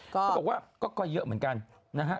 เขาบอกว่าก็เยอะเหมือนกันนะฮะ